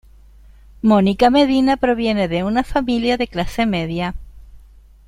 Mónica Medina proviene de una familia de clase media.